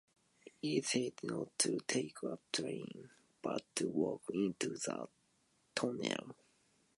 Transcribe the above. It said not to take a train, but to walk into the tunnel.